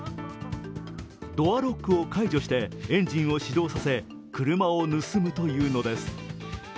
ドアロックを解除してエンジンを始動させ車を盗むというのです。